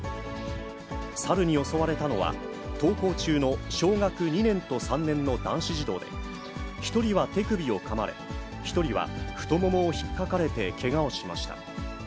猿に襲われたのは登校中の小学２年と３年の男子児童で、１人は手首をかまれ、１人は太ももをひっかかれてけがをしました。